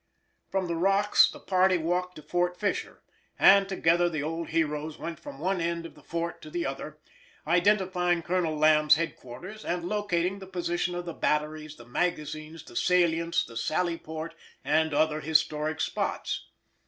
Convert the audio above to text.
From the Rocks the party walked to Fort Fisher, and together the old heroes went from one end of the fort to the other, identifying Colonel Lamb's headquarters and locating the position of the batteries, the magazines, the salients, the sally port, and other historic spots.